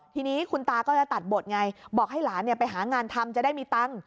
ทีนี้คุณตาก็จะตัดบทไงบอกให้หลานไปหางานทำจะได้มีตังค์